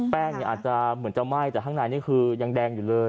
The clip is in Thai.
แป้งเนี่ยอาจจะเหมือนจะไหม้แต่ข้างในนี่คือยังแดงอยู่เลย